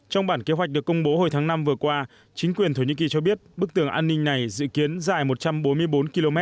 trong bản kế hoạch được công bố hồi tháng năm vừa qua chính quyền thổ nhĩ kỳ cho biết bức tường an ninh này dự kiến dài một trăm bốn mươi bốn km